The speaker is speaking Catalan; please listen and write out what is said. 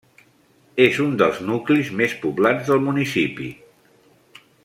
És un dels nuclis més poblats del municipi.